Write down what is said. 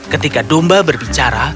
ketika domba berbicara